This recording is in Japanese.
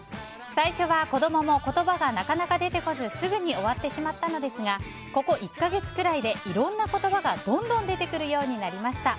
最初は子供も言葉がなかなか出てこずすぐに終わってしまったのですがここ１か月くらいでいろんな言葉がどんどん出てくるようになりました。